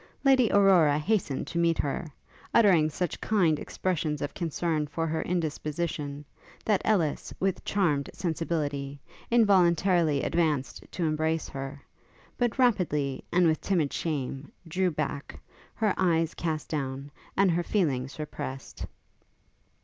Lady Aurora hastened to meet her, uttering such kind expressions of concern for her indisposition, that Ellis, with charmed sensibility, involuntarily advanced to embrace her; but rapidly, and with timid shame, drew back, her eyes cast down, and her feelings repressed.